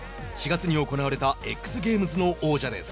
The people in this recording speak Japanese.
４月に行われたＸゲームズの王者です。